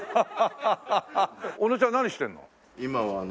小野ちゃん何してるの？